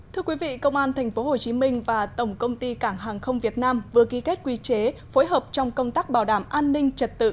thưa quý vị công an tp hcm và tổng công ty cảng hàng không việt nam vừa ký kết quy chế phối hợp trong công tác bảo đảm an ninh trật tự